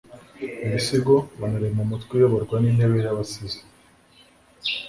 ibisigo banarema umutwe uyoborwa n'intebe y'abasizi